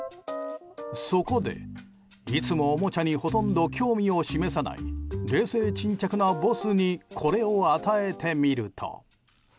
そこで、いつもおもちゃにほとんど興味を示さない冷静沈着なボスにこれを与えてみると。